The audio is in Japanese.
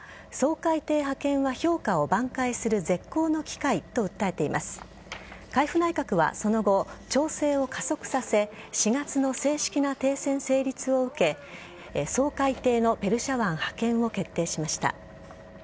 海部内閣はその後調整を加速させ４月の正式な停戦成立を受け掃海艇のペルシャ湾派遣を決定しました。